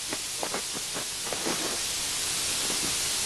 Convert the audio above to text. যখন সরকার আমাদের কাজে বাধা হয়ে দাঁড়ায়, তখন কাজটি দুরূহ হয়ে পড়ে।